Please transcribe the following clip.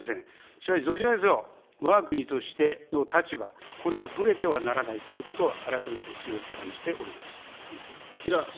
しかし、どちらにせよ、わが国としての立場、これがぶれてはならないということは、改めて強く感じております。